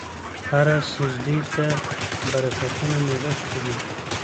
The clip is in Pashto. هره سجدې ته برکتونه نغښتي دي.